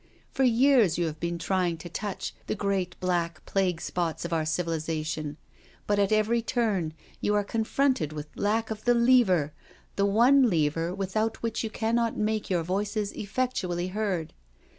For years you have been trying to touch the great black plague spots of our civilisation, but at every turn you are confronted with lack of the lever, the one lever without which you cannot make your voices effectually heard.